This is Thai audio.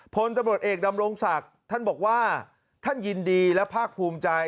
พลตำรวจเอกดำรงศักดิ์ท่านบอกว่าท่านยินดีและภาคภูมิใจ